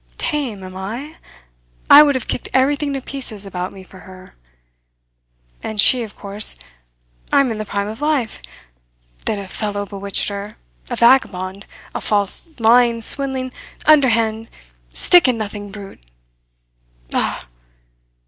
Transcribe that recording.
Tame, am I? I would have kicked everything to pieces about me for her. And she, of course ... I am in the prime of life ... then a fellow bewitched her a vagabond, a false, lying, swindling, underhand, stick at nothing brute. Ah!"